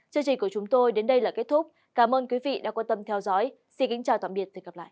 chương trình của chúng tôi đến đây là kết thúc cảm ơn quý vị đã quan tâm theo dõi xin kính chào tạm biệt và hẹn gặp lại